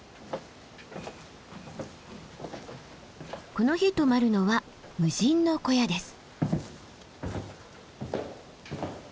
この日泊まるのは無人の小屋です。